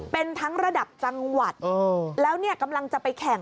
เป็นทั้งระดับจังหวัดแล้วเนี่ยกำลังจะไปแข่ง